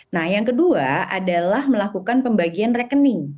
nah yang kedua adalah melakukan pembagian rekening